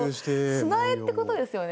砂絵ってことですよね？